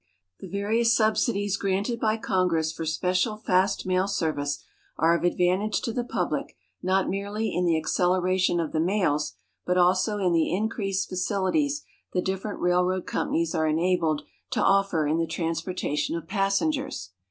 The various subsidies granted by Congress for special fast mail service are of advantage to the public not merely in the acceleration of the mails, but also in the increased facilities the different railroad companies are enabled to offer in the transportation of passengei s.